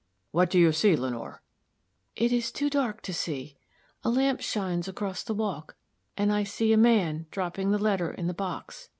"What do you see, Lenore?" "It is too dark to see. A lamp shines across the walk, and I see a man dropping the letter in the box.